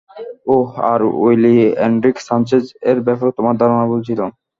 ওহ, আর, Willy, Enrique Sanchez এর ব্যাপারে তোমার ধারণা ভুল ছিল।